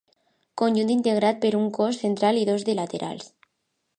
Conjunt integrat per un cos central i dos de laterals.